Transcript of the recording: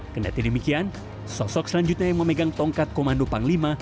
kendati demikian sosok selanjutnya yang memegang tongkat komando panglima